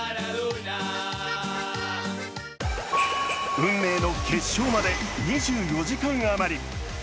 運命の決勝まで２４時間余り。